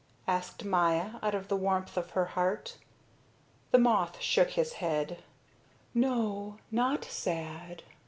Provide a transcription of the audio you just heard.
asked Maya out of the warmth of her heart. The moth shook his head. "No, not sad."